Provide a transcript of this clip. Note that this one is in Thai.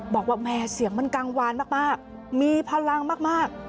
บอกว่าแม่เสียงมันกังวานมากมีพลังมาก